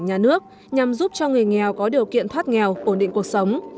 nhà nước nhằm giúp cho người nghèo có điều kiện thoát nghèo ổn định cuộc sống